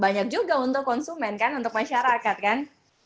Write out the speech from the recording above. banyak juga untuk konsumen kan untuk masyarakat kan